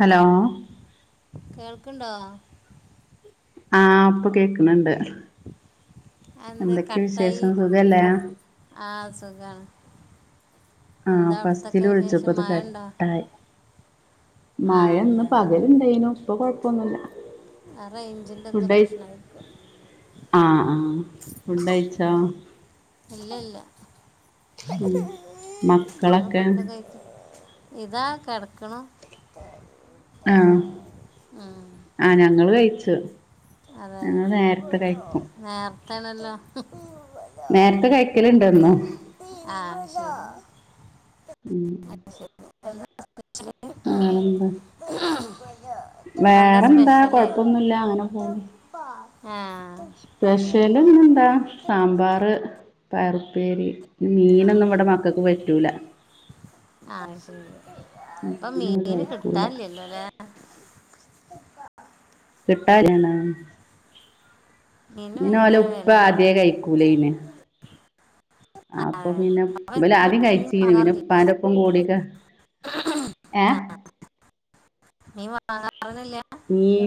Hello കേൾക്കണ്ടോ? ആ ഇപ്പം കേക്കണണ്ട്. അന്ന് കട്ടായി ആ സുഖാണ്. ആ ഫസ്റ്റില് വിളിച്ചപ്പോ അത് മഴ ഉണ്ടോ കട്ടായി. ആ മഴ ഇന്ന് അതെ പകലുണ്ടായിരുന്നു. ഇപ്പം കുഴപ്പമൊന്നുമില്ല. ആ റേഞ്ചിന്റെ എന്താ പ്രശ്നം ആയിക്കും. ആ ആ ഫുഡഴിച്ചോ? ഇല്ല ഇല്ല. ഉം നിങ്ങൾ മക്കളൊക്കെ ഫുഡ് കഴിച്ചു ഇതാ കിടക്കണു. ആ ഉം. ആ ഞങ്ങള് കഴിച്ച്. റ്റ് അതെ നേർ ത്താണെല്ലോ ഹും നേരത്തെ കഴിക്കലുണ്ടന്നും ആ ശരി ഉം വാറന്താ എന്താ വേറെന്താ സ്പെഷ്യല് കൊഴപ്പൊന്നുല്ല അങ്ങനെ പോന്നു ആ സ്പെഷ്യല് ഇന്നു എന്താ സാമ്പാർ പയറ് ഉപ്പേരി മീനൊന്നും ഇവിടെ മക്കൾക്ക് പറ്റൂല അഹ്ശരി മീനോല് കഴിക്കൂല അല്ലെ കിട്ടാ [unintelligible] മീനിന് മീന് ഓല ഭയങ്കര ഉപ്പ വിലയാണ് ആദ്യേ കഴിക്കൂ ലേന് അപ്പൊ അതെ പിന്നെ അപ്പൊ ഇബല് നിങ്ങള് ആദ്യം വീട്ടിൽ മീൻ കഴിച്ചീന് പിന്നെ വാങ്ങാറില്ലേ ഉപ്പന്റെ ഒപ്പം കൂടിക്കാ ഏ ആ മീൻ വാങ്ങാറൊന്നുല്ലേ മീൻ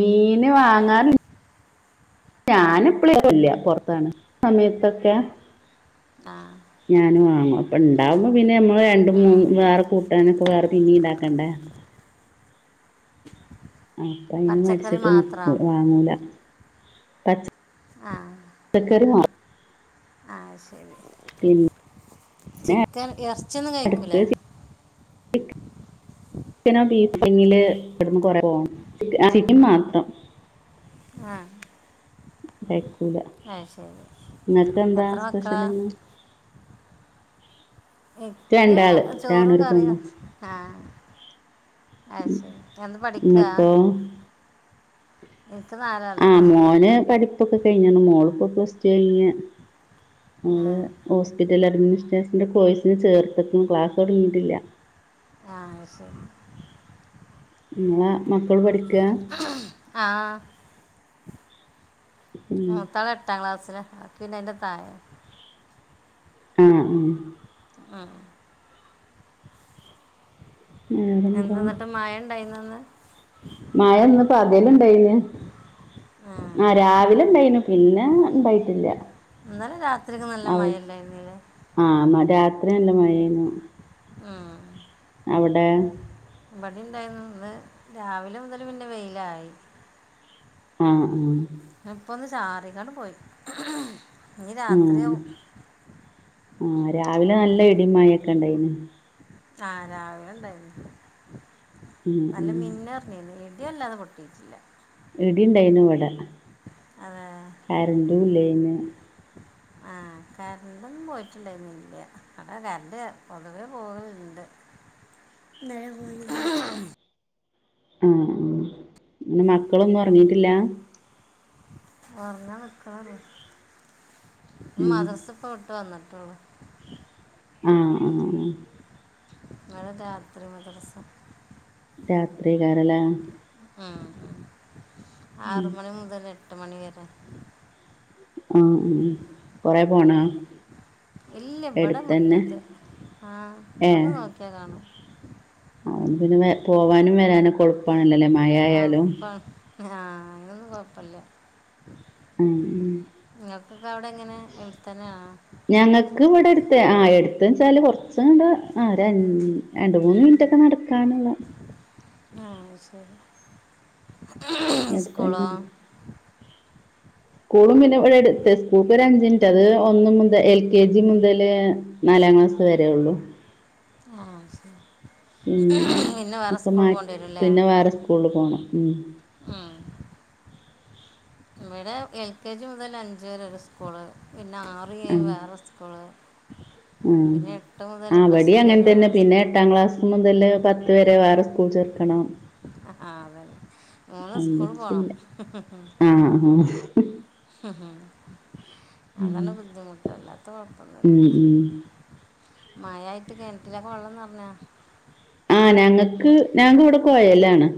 മീന് വാങ്ങാൻ [unintelligible] ഞാനിപ്പ [unintelligible] പൊറത്താണ് സമയത്തൊക്കെ ആ ഞാന് വാങ്ങും അപ്പം ഇണ്ടാവുമ്പോ പിന്നെ നമ്മള് രണ്ട് ഉം. മൂന്ന് വേറെ കൂട്ടാനൊക്കെ വേറെ പിന്നീ ഇണ്ടാക്കണ്ടേ അപ്പ അയിനും പച്ചക്കറി മടിച്ചിട്ട് മാത്രം നിക്കും വാങ്ങൂല പച്ച ആ [unintelligible] ക്കറി [inaudible] ആ ശരി പി ചിക്കൻ എ ർച്ച്യോന്നും കഴിക്കൂലേ ക്ക് [unintelligible] ചിക്കനോ ബഫോ കിട്ടണെങ്കില് ഇവിടുന്ന് കൊറേ പോണം ചിക്കൻ മാത്രം ആ കഴിക്കും [unintelligible] ആ ശരി ഇങ്ങക്ക് എന്താ എത്ര മക്കളാ സ്പഷല് ഇന്ന് എനിക്ക് രണ്ടാള് ഒരാണും ചോറും ഒരു കറിയും പെണ്ണും വെച്ച് ആഹ് അത് ശെരി നീ എന്താ പഠിക്കാ ആഹ് മോന് പടി പ്പൊക്കെ കഴിഞെണ് മോളു ഇപ്പൊ പ്ലസ് ടു കഴിഞ്ഞു ആ മോളു ഹോസ്പിറ്റൽ അഡ്മിനിസ്ട്രേഷൻ കോഴ്സ് ചേർത്തിട്ടുണ്ട് ക്ലാസ് തുടങ്ങീട്ടില്ല ആ ശരി നിങ്ങളെ മക്കൾ പഠിക്കാ ആഹ് ഉം മൂത്താള് എട്ടാം ക്ലാസില് ബാക്കി പിന്നെ അതിന്റെ താഴെ ഏഹ് മ് ആഹ് വേറെന്താ എന്താ എന്നിട്ട് മഴയുണ്ടായിരുന്നൊ ഇന്ന് മഴ ഇന്ന് പകലുണ്ടായിന് ആഹ് രാവിലെ ഉണ്ടായിനു പിന്നെ ഉണ്ടായിട്ടില്ല ഇന്നലെ രാത്രി ഒക്കെ നല്ല മഴയുണ്ടായിരുന്നില്ലേ [unintelligible] മഴയെന്നും അ അവിടെ ഇവിടെയുണ്ടായിരുന്നു ഇന്ന് രാവിലെ മുതൽ പിന്നെ വെയിലായി അ അ ഇപ്പൊ [unintelligible] ചാറിയങ്ങാണ്ട് പോയി ഇനി രാത്രിയാവും മ്ഹ് രാവിലെ നല്ല ഇടിയും മഴയും ഒക്കെ ഉണ്ടായിനു ആ രാവിലെ ഉണ്ടായിരുന്നു ഉം നല്ല ഉം മിന്നറിഞ്ഞന്ന് ഇതല്ലാതെ പൊട്ടിയിട്ടില്ല ഇടിണ്ടാർന്നു ഇവിടെ അതെ കറണ്ടും ഇല്ലാരുന്നു ആ കറണ്ടൊന്നും പോയിട്ടിഉണ്ടായിരുന്നില്ല ഇവിടെ കറന്റ്‌ പൊതുവേ പോവലുണ്ട് ആ ആ അങ്ങനെ മക്കളൊന്നും ഉറങ്ങിട്ടില്ല ഉറഞ്ഞ് നിൽകുവാന് ഉം മാധറസ് പോയിട്ട് വന്നതാ ആ ആ ആ ആ [inaudible] രാത്രികാരല്ലേ ആ ആറുമണിമുതല് ഇട്ട് മണിവരെ ആ ആ കൊറെ പൊണോ ഇല്ല ഇവിടെ മുറ്റത്തു ആ ഇവിടെ നോക്കിയ കാണാം ആ പിന്നെ വേ പോവാനും വരാനുക്കെ എളുപ്പാണല്ലേ? [unintelligible] അ അതിനൊന്നും കൊഴപ്പമില്ല ഉം ഉം ഉം നിക്ക് അവിടെങെനെ വെളുത്തനെയാ ഞങ്ങക്ക് ഇവിടെ എടുത്ത ആ എടുത്ത് വെച്ചാല് കൊറച്ച കണ്ട് ആ രണ്ട് മൂന്ന് മിനിറ്റൊക്കെ നടക്കാനുള്ള ആ ശരി അടുത്തന്നെ സ്കോളൂ സ്കൂളും പിന്നെ ഇവിടെ എടുത്ത് സ്കൂൾക്ക് ഒ അഞ്ചിമിനറ്റ് അത് ഒന്ന് മുതൽ എൽ കെ ജി മുതല് നാലാം ക്ലാസ് വരേള്ളു ആ ശരി പിന്നെ പിന്നെ വേറെ അപ്പ സ്കൂൾ മാ പോകേണ്ടി വരും അല്ലേ പിന്നെ വേറെ സ്കൂള് പോണം. ഉം ഉം ഇവിടെ എൽ കെ ജി മുതൽ അഞ്ച് വരെ ഒരു സ്കൂള് പിന്നെ ആറും ആ ഏഴും വേറെ സ്കൂളും ആ ആവടി ടു അങ്ങനെ വരെ തന്നെ വേറെ പിന്നെ സ്കൂൾ എട്ടാം ക്ലാസ് മുതല് പത്ത് വരെ വേറെ സ്കൂൾ ചേർക്കണം ആ അതന്നെ മൂന്ന് സ്കൂൾ പോണം ഒന്നിച്ചില്ല ആ ആ ഉം അതന്നെ ബുദ്ധിമുട്ടല്ലാത്ത കൊഴപ്പൊന്നില്ല ഉം ഉം മാഴായിട്ട് കിണറ്റിലൊക്കെ വെള്ളം നിറഞ്ഞാ ആ ഞങ്ങക്ക് ഞങ്ങക്കിവിടെ കുഴലാണ്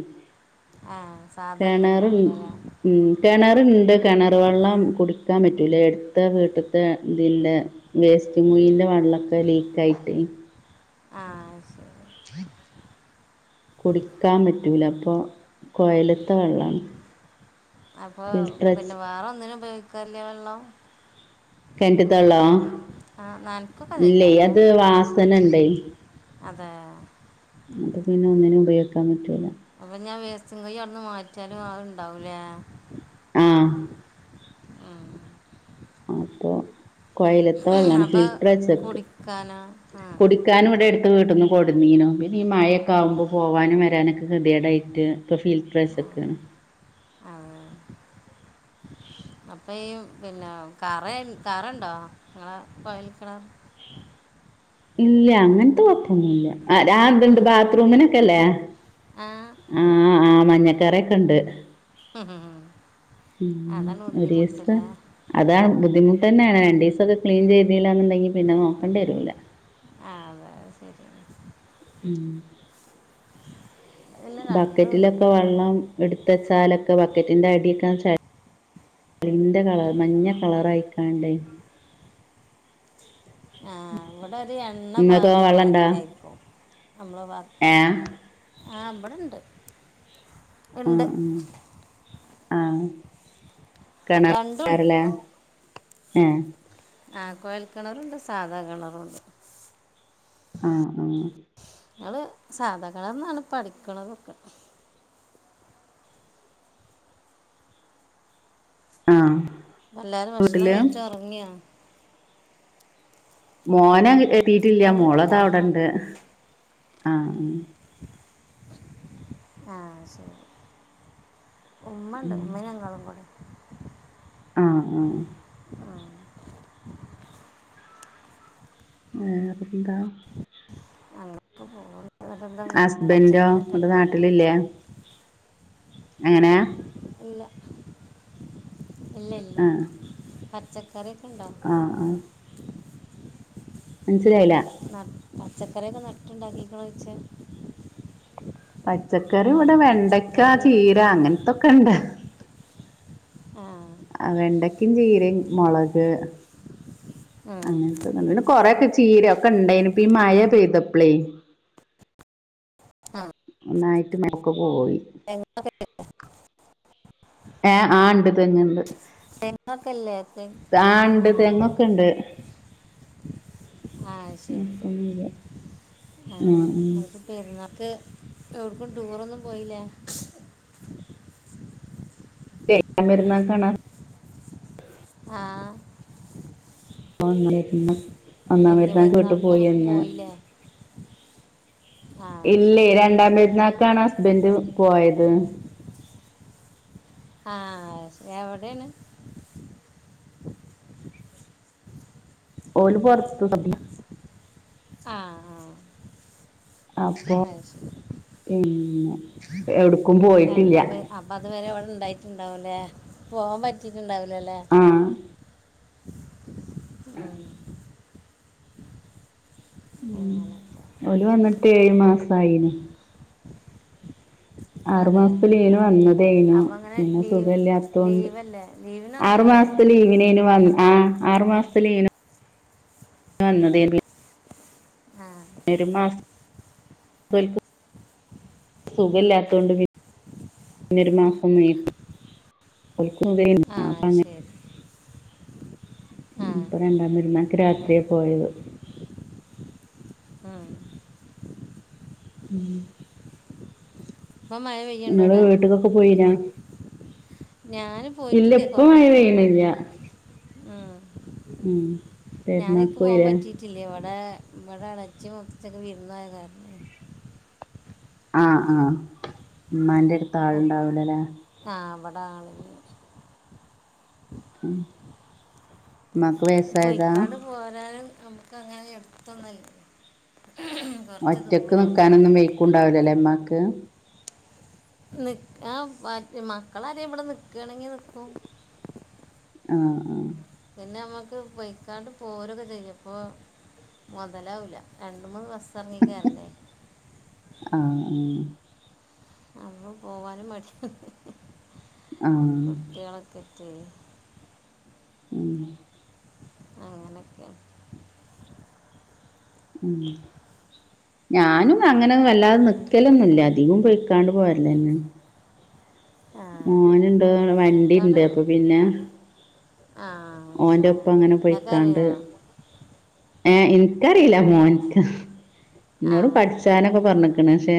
ആ സാധല്ലേ കെണർ ഉണ്ടാവില്ല അല്ലേ ഉം കെണ റ്ണ്ട് കെണർ വെള്ളം കുടിക്കാൻ പറ്റൂല എട്ത്ത വീട്ട്ത്ത ഇതിന്റെ വേസ്റ്റ് കുയിന്റെ വെള്ളക്കെ ലീക്ക് ആയിട്ടെ ആ ശരി കുടിക്കാൻ പറ്റൂല അപ്പൊ കൊയല്ത്തെ വെള്ളാണ് അപ്പൊ ഫിൽട്ടർ പിന്നെ വേറെ ഒന്നിനും ഉപ കാറില്ലേ വെള്ളം കെൻ റ്റ് ത്തെ വള്ളോ ആ നനക്കൊക്കെ ചെയ്യാം ഇല്ലേ അല്ലേ അത് വാസനണ്ടെ അതെ ഒന്നിനും ഉപയോഗിക്കാൻ പറ്റൂല്ല അപ്പൊ ഇഞാ വേസ്റ്റും കുഴി അവിട്ന്ന് മാറ്റ്യാലും അത് ഇണ്ടാവുംലേ ആ അപ്പൊ കൊഴല് ത്തെ വെള്ളാണ് അപ്പം ഫിൽട്ടർ വെച്ചക്ക് കുടിക്കാനോ ആ കുടിക്കാനും ഇവ്ടെ എ ട് വീട്ട്ന്ന് കൊടുന്നീനൂ പിന്നെ ഈ മഴൊക്ക ആവുമ്പോ പോവാനും വരാനൊക്കെ കെതിയെടായിട്ട് ഇപ്പൊ ഫിൽറ്ററെച്ച്ക്കാണ് അപ്പേയും പിന്നെ കറെ കറണ്ടോ ങ്ങളെ കൊഴല് കെണറ് ഇല്ല അങ്ങനത്തെ കൊഴപ്പൊന്നുല്ല ആ രാന്ത്ണ്ട് ഉം. ബാത്റൂമിന് ക്കല്ലേ ആ മഞ്ഞക്കറെക്കെണ്ട് മ് ഹും ഉം ഒരീസാ അതാണ് ബുദ്ധിമു തന്നേണ് രണ്ടീസൊക്കെ ക്ലീൻ ചെയ്തില്ലാന്നുണ്ടെങ്കി പിന്നെ നോക്കണ്ടിരൂല്ല ആ അതെ അത്ശരിയാണ് ഉം പിന്നെ രണ്ടും ബക്കറ്റിലൊക്കെ ഉണ്ട് വെള്ളം എടു ത്തച്ചാലൊക്കെ ബക്കറ്റിന്റെ അടിയൊക്കെ ചളിന്റെ കളറ് മഞ്ഞ കളറായിക്കാണ്ടേ അവിടൊരു എണ്ണ നിങ്ങക്ക് വെള്ളണ്ടാ പാക്യമായിരിക്കേക്കും നമ്മളവാ ഏ ആ ഇബടെണ്ട് ആ ഇണ്ട് ആ കെണർ രണ്ടും ഉണ്ട് [unintelligible] ഏ ആ കൊഴല് കെണറുണ്ട് സാധാ കെണറുണ്ട് ആഹ് ആഹ് ങ്ങള് സാധാ കെണറ്ന്നാണ് ഇപ്പ അടിക്കണതൊക്കെ ആഹ് എല്ലാരും ഭക്ഷണം വീട്ടില് കഴിച്ചൊറങ്ങിയോ? മോനങ്ങ് എ ത്തിട്ടില്ല്യ അല്ലല്ല മോളതാ ഉമ്മ അവിടെണ്ട് ഉണ്ട് ആഹ് ഉം ആഹ് ശരി ഉമ്മ ഇണ്ട് ഉമ്മയും ഞങ്ങളുപാടെ ആഹ് ആഹ് ഏ അത്പ്പെന്താ ഞങ്ങൾക്ക് പോകുന്നുണ്ടോ ഹസ്ബൻഡോ പച്ചക്കറി ഒക്കെ വ്ടെ ഉണ്ടോ നാട്ടില് ഇല്ലേ? എങ്ങനെയ ഇല്ല ഇല്ല ഇല്ല ആഹ് ആഹ് കറിയൊക്കെണ്ടോ? ആഹ് മനസ്സിലായില്ല ന പച്ചക്കറിയൊക്കെ നട്ടുണ്ടാക്കീക്കണോ ചോയ്ച പച്ച കറി ഇവിടെ വെണ്ടക്ക ചീര അങ്ങനത്തൊക്കെ ഇണ്ട് ആഹ് ആ വെണ്ടയ്ക്കും ചീരയും മുളക് ഉം. അങ്ങനത്തെ പിന്നെ കൊറെയൊക്കെ ചീ രയൊക്കെ ഇണ്ടായിനു ഇപ്പ ഈ മഴ പെയ്തപ്പളേ ആ ഒന്നായിട്ട് മയക്ക് പോയി [unintelligible] ഏ ആ ഇണ്ട് തെങ്ങ്ണ്ട് തെങ്ങൊക്കെ ഇല്ലേ തെ ആ ഉണ്ട് തെങ്ങൊക്കെ ഉണ്ട് ആഹ് ശരി ഇപ്പൊന്നുല്ല ആഹ് ഉം ഉം ഞങ്ങക്ക് പെരുന്നാക്ക് എവ്ട്ക്കും ടൂറൊന്നും പോയില്ലേ? [inaudible] പെരുന്നാക്കാണോ ആ [unintelligible] ഒന്നാം വലിയ പെരുന്നാക്ക് വീട്ട് പോയി പെരുന്നാൾക്കൊന്നും വന്ന് പോയില്ലേ [inaudible] ആ ഇല്ലേ ശരി രണ്ടാം പെരുന്നാക്കാണ് ഹസ് ബന്റ് പോയത് ആ എവിട്യെണ് ഓലു പുറത്തു [unintelligible] ആ ആഹ അപ്പം [unintelligible] പിന്നെ എവിടു രണ്ടാ വെ അപ്പൊ അതു വരെ ഓൾ ഉണ്ടായിട്ടുണ്ടാവല്ലേ പോകാൻ പറ്റിട്ടുണ്ടാവ ല്ലല്ലേ ആഹ് ഉം ഉം അങ്ങനെയൊക്കെ ഓല് വന്നിട്ട് ഏഴ് മാസായിന്ന് ആറു അതെ മാസതത്തീന് വന്നതാത്താരുന്നു അപ്പം അങ്ങനെ പിന്നെ സുഖ ലീവ് ഇല്ലാത്തോണ്ട് ലീവല്ലേ ആറു ലീവിനൊന്നല്ലേ മാസത്തി ലീവിനേന് വന്ന ആ ആറു മാസത്തേ ലീവിന് [unintelligible] വന്നതേന് ആ ം സുഖല്ലാത്തൊണ്ട്ന്നന്നരു മാസം ആ [unintelligible] അത് പറഞ്ഞ [unintelligible] ശരി ആ ഇപ്പൊ ആ രണ്ടാിരുന്നാ രാത്രി [inaudible] [unintelligible] പോയത് ഉം ഉം ഇപ്പം മഴ നിങ്ങള് വീട്ടക്കൊക്കെ പോയിരാ ഞാന് പോയിട്ടില്ലേ ഇപ്പ മഴ കൊറെക്ക പോയി പെയ്യ്ണില്ല ഉ ഉം പോകാൻ പെരുന്നാക്കൂല്ലേ പറ്റിയിട്ടില്ല ഇവിടെ ഇവിടെ അടച്ച മൊഖത്തൊക്കെ വിരുന്നയ കാരണം [unintelligible] ആ ആ ഉമ്മാന്റെടുത്ത് ആളുണ്ടാവൂലല്ലേ ടാളി [unintelligible] ഉം ഉമ്മക്കെ വേസായതാ നമുക്കങ്ങനെ എടുത്തൊന്നല്ല കുറച്ച് ഒറ്റക്ക് ദൂരമാണ് നിക്കാനൊന്നും വെയക്കുണ്ടാവില്ലമ്മ ക്ക് ന ബാക്കി മക്കളൊക്കെ ഇവിടെ നിക്കുകാണെങ്കി നിക്കും ആആ പിന്നെ നമ്മക്ക് ബൈക്കാട്ട പോരൊക്കെ ചെയ്യുംപ്പോ മുതലാവില്ല രണ്ട മൂന്നിസം തർക്കിക്കാറില്ലേ [unintelligible] ആ ഉ അങ്ങെ പോവാനും മടി ആഹ് കുട്ടികളൊക്കെ [unintelligible] ഉം [unintelligible] അങ്ങനെയൊക്കെയ ഉഞാനുംഅങ്ങനെവല്ലാതെനിക്കലൊന്നു ഇല്ല അധികം പൊയിക്കാണ്ട് പോര്ലന്നാണ് ആ മോനുണ്ട വണ്ടി ഇണ്ട് ഇക്കാട് അപം പിന്നെ ആ ശരി ഓന്റെപ്പം അങ്ങനെ എന്നൊക്കെ പൊയ്ക്കാണ്ട് അറിയോ ഏയ് ഇൻക്കറീല മോൻകാ ആ ഇന്നോട് പഠിച്ചാനൊക്കെ പറഞ്ക് [unintelligible] ്യ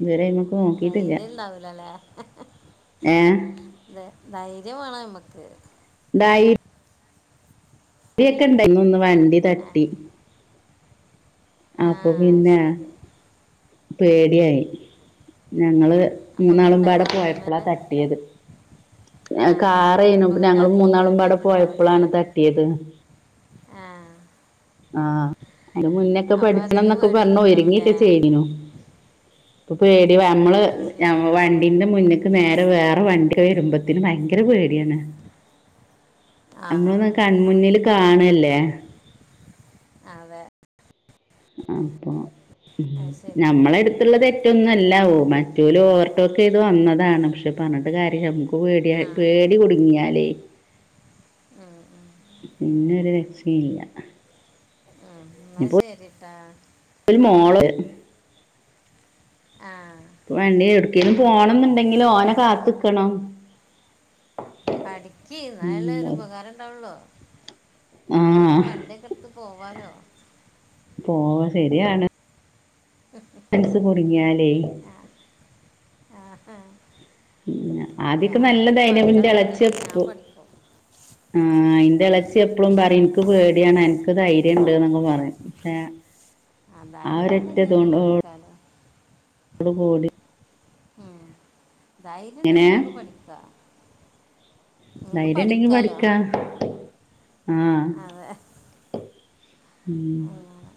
ഇതുവരെ നോക്കിട്ടില്ല ധൈര്യം ഇണ്ടാവൂലല്ലേ ഏ ധൈര്യം വേണം നമ്മക്ക് അ [unintelligible] തൈ [unintelligible] അരിയൊക്കെ ഇണ്ട ഇന്ന് ഒന്ന് വണ്ടി തട്ടി ആ അപ്പൊ പിന്നെ ശരി പേടിയായി ഞങ്ങള് അപ്പം നിങ്ങൾ മൂന്നാളുമ്പാടെ ഉണ്ടായിരുന്ന വണ്ടിമേ പോയപ്പളാ തട്ട് യത് ഞ ആ കാ അപ്പം [unintelligible] നിങ്ങൾക്ക് പിന്നെഞങ്ങള് അധികം മൂന്നാളുമ്പാടെ പേടിയായിട്ടുണ്ടാവും പോയപ്പളാണ് തട്ടിയത് ആഹ ആഹ് അതിന് മുന്നൊക്കെ അധികം പഠിച്ചണംന്നൊക്കെ പറഞ്ഞു പേടിയായിട്ടുണ്ടാവും ഒരുങ്ങി അല്ലേ ഒക്കെ ചെയ്തിനു ഇപ്പൊ പേടി വ ആ നമ്മള് ശരി ഞമ്മളെവണ്ടിന്റെ മുന്ന്ക്ക് നേരെ വേറെ വണ്ടി വരുമ്പത്തിന് ഭയങ്കര പേടി ആണ് ആ നമ്മളൊന് കൺമുന്നിൽ കാ കാണല്ലേ അതെ അപ്പം ആ, ശരി ഞമ്മള അടുത്തുള്ളതെറ്റൊന്നുംഅല്ല മറ്റോല്ഓവർ ടോക്ക് എയ്ത്‌ വന്നതാണ്. പക്ഷെ പറഞ്ഞിട്ട് കാര്യം ഇല്ല നമുക്ക് പേടിയ ആ ആ. പേടി കുടുങ്ങിയാലേ ഉം, ഉം, പിന്നെ ഒരു രക്ഷയും ഇ ല്ല എന്ന ശരിട്ടാ ഒരു മോള് ആഹ ഇപ്പ വേണ്ടി എവിട്ക്കേലും പോണം ന്നുണ്ടെങ്കില് ഓനെ കാത്ത്ക്കണം പഠിക്ക് എന്നാലല്ലേഒരു ഉം ഉപകാരം ഉണ്ടാവുള്ളു ആഹ് ഇപ്പളെവണ്ടി ഒക്കെ എടുത്ത് പോവാലോ പോവ ശരിയാണ് മനസ് കുട്ങ്ങിയാലേ ആ ആ ആദ്യക്ക നല്ല ഞാനിപ്പോൾ എൻ്റെ ദൈനവിന്റെ മക്കളുണ്ടായിട്ട് അല്ലെങ്കിൽ ഞാൻ ഇളച്ചപ്പ് പഠിക്കും ആന് [unintelligible] എളേച്ചി എപ്പളും പറയും ഇൻക്ക് പേടിയാണ് അൻക്ക് ധൈര്യം ഇണ്ട് ന്നൊക്കെ പറയും പക്ഷെ ആ അതായിട്ട് ഒരൊറ്റ ഉണ്ടെങ്കി അത് ഇതോണ്ടോട് പഠിക്കാലോ [unintelligible] ഉം ധൈര്യം ഉണ്ടെങ്കി എങ്ങനെ നിങ്ങക്ക് പഠിക്കാ ധൈര്യം ഉണ്ടെങ്കി പഠിക്കാ ആ അതെ ഉം അങ്ങനെ